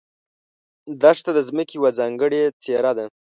دښته د ځمکې یوه ځانګړې څېره ده.